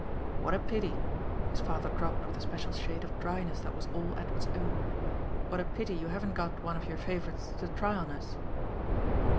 "What a pity," his father dropped with the special shade of dryness that was all Edward's own, "what a pity you haven't got one of your favourites to try on us!"